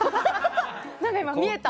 何か今、見えた。